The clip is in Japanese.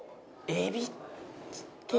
エビ。